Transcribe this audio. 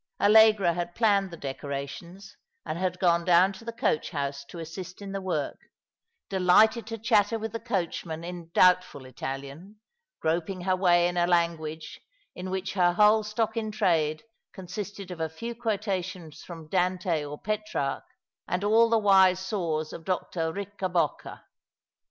Allegra had planned the decorations, and had gone down to the coach house to assist in the work, delighted to " The Stm co7nes out again^ 229 chatter with the coachman in doubtful Italian, groping her way in a language in which her whole stock in trade con sisted of a few quotations from Dante or Petrarch — and all the wise saws of Dr. Riccabocca.